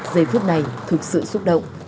giây phút này thực sự xúc động